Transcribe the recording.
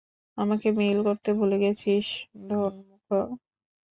আমাকে মেইল করতে ভুলে গেছিস, ধোনমুখো?